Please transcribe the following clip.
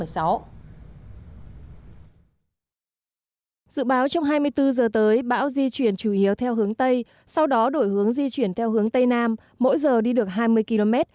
dự báo trong hai mươi bốn h tới bão di chuyển chủ yếu theo hướng tây sau đó đổi hướng di chuyển theo hướng tây nam mỗi giờ đi được hai mươi km